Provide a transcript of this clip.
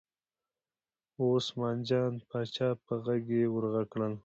وه عثمان جان پاچا په غږ یې ور غږ کړل.